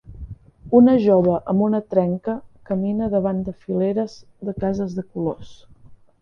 Una jove amb una trenca camina davant de fileres de cases de colors.